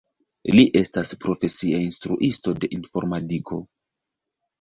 Li estas profesie instruisto de informadiko.